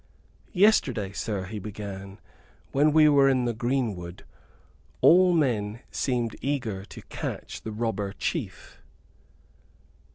"Yesterday, sir," he began, "when we were in the greenwood, all men seemed eager to catch the robber chief."